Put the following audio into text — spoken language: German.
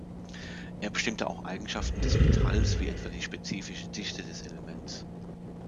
Er bestimmte auch Eigenschaften des Metalls wie etwa die spezifische Dichte des Elements.